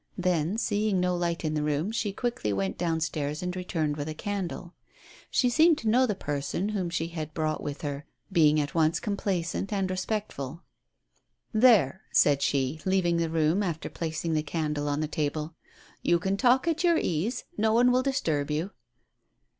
'' Then, seeing no light in the room, she quickly went down stairs and returned with a candle. She seemed to know the person whom she had brought with her, being at once complaisant and respectful. " There," said she, on leaving the room, after placing the candle on the table, "you can talk at your ease; no one will disturb you."